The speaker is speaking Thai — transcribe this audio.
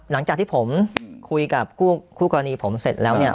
หลังจากที่ผมคุยกับคู่กรณีผมเสร็จแล้วเนี่ย